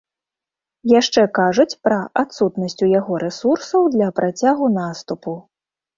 Яшчэ кажуць пра адсутнасць у яго рэсурсаў для працягу наступу.